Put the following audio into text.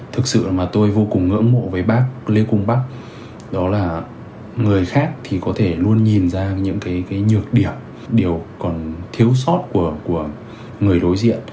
thực sự mà tôi vô cùng ngưỡng mộ với bác lê cung bắc đó là người khác thì có thể luôn nhìn ra những cái nhược điểm điều còn thiếu sót của người đối diện